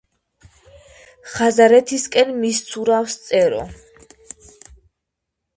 ხაზარეთისკენ მისცურავს წერო